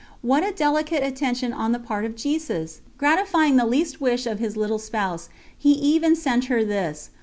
What a delicate attention on the part of Jesus! Gratifying the least wish of His little Spouse, He even sent her this.